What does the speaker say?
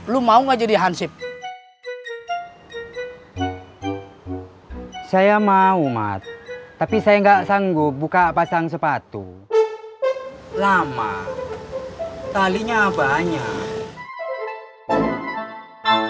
lu mau gak jadi hansip saya mau mas tapi saya enggak sanggup buka pasang sepatu lama talinya banyak